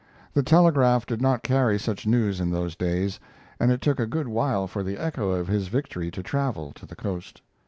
The telegraph did not carry such news in those days, and it took a good while for the echo of his victory to travel to the Coast.